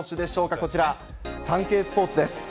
こちら、サンケイスポーツです。